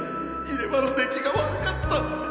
入れ歯の出来が悪かった。